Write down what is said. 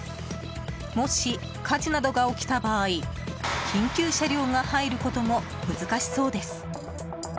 もし、火事などが起きた場合緊急車両が入ることも難しそうです。